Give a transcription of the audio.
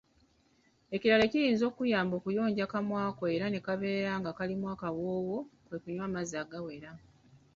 Ekirala ekiyinza okukuyamba okuyonja akamwa ko era okubeera nga kalimu akawoowo, kwe kunywa amazzi agawera